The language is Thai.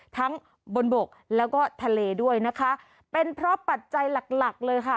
ทั้งบนบกแล้วก็ทะเลด้วยนะคะเป็นเพราะปัจจัยหลักหลักเลยค่ะ